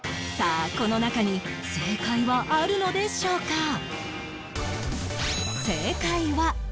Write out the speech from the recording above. さあこの中に正解はあるのでしょうか？